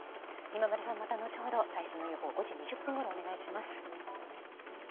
今村さん、また後ほど最新の予報を５時２０分ごろお願いします。